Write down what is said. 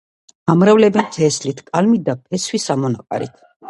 ამრავლებენ თესლით, კალმით და ფესვის ამონაყარით.